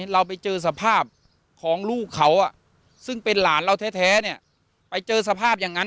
เราไปเจอสภาพของลูกเขาซึ่งเป็นหลานเราแท้ไปเจอสภาพอย่างนั้น